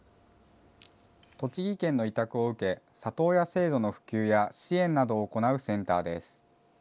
栃木県の委託を受け、里親制度の普及や支援などを行うセンターです。